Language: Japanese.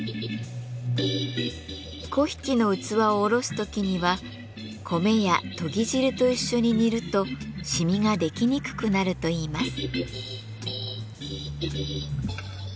粉引の器をおろす時には米やとぎ汁と一緒に煮ると染みが出来にくくなるといいます。